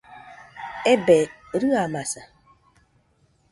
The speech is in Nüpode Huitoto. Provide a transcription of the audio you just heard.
Ebe, rɨamaza